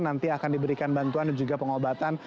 nanti akan diberikan bantuan dan juga pengobatan